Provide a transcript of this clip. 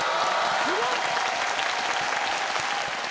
すごい！